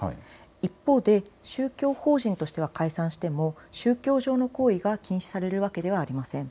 一方で宗教法人としては解散しても宗教上の行為が禁止されるわけではありません。